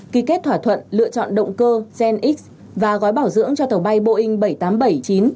ký kết thỏa thuận lựa chọn động cơ gen x và gói bảo dưỡng cho tàu bay boeing bảy trăm tám mươi bảy chín